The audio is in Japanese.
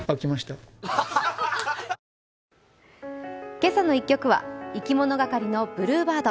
「けさの１曲」はいきものがかりの「ブルーバード」。